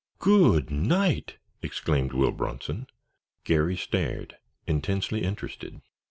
"Go o odni ght!" exclaimed Will Bronson. Garry stared, intensely interested.